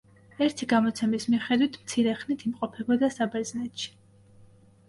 ერთი გადმოცემის მიხედვით მცირე ხნით იმყოფებოდა საბერძნეთში.